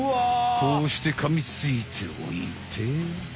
こうしてかみついておいて。